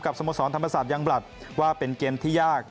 สโมสรธรรมศาสตร์ยังบลัดว่าเป็นเกมที่ยาก